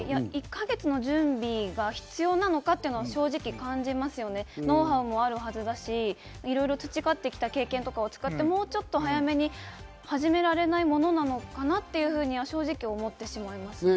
１か月の準備が必要なのかというの正直感じますので、ノウハウもあるはずだし、いろいろと培ってきた経験とかを使って、もうちょっと早めに始められないものなのかなっていうふうには正直思ってしまいます。